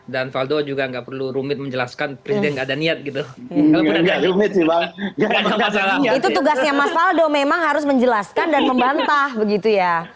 dan valdo juga nggak perlu rumit menjelaskan presiden nggak ada niat gitu